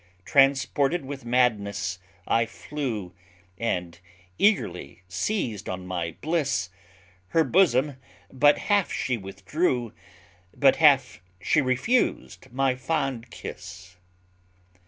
Transported with madness, I flew, And eagerly seized on my bliss; Her bosom but half she withdrew, But half she refused my fond kiss.